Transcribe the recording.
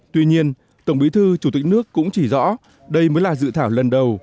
tuy nhiên tổng bí thư chủ tịch nước cũng chỉ rõ đây mới là dự thảo lần đầu